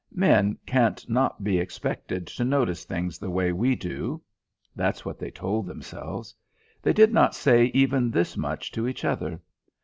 "Men can't not be expected to notice things the way we do." That's what they told themselves they did not say even this much to each other.